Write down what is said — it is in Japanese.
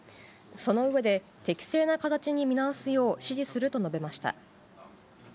その上で、適正な形に見直すよう指示すると述べました。